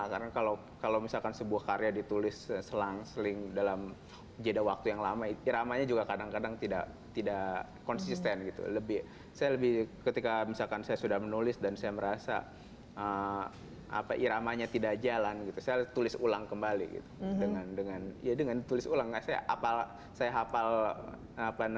karena kalau misalkan sebuah karya ditulis selang selang selang selang selang selang selang selang selang selang selang selang selang selang selang selang selang